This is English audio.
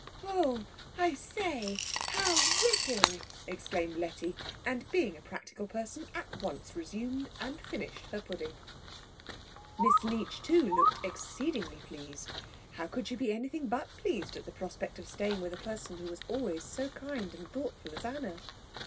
"Oh, I say how ripping!" exclaimed Letty; and being a practical person at once resumed and finished her pudding. Miss Leech, too, looked exceedingly pleased. How could she be anything but pleased at the prospect of staying with a person who was always so kind and thoughtful as Anna?